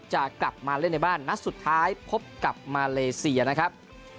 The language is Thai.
จะกลับมาเล่นในบ้านนัดสุดท้ายพบกับมาเลเซียนะครับ